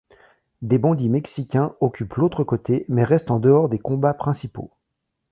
Des bandits mexicains occupent l'autre côté mais restent en dehors des combats principaux.